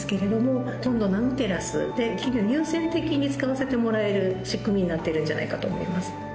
今度、ナノテラスで企業で優先的に使わせてもらえる仕組みになっているんじゃないかと思います。